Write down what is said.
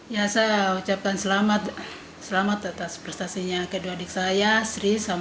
ya saya ucapkan selamat selamat atas prestasinya kedua adik saya sri